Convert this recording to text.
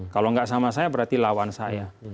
kalau nggak sama saya berarti lawan saya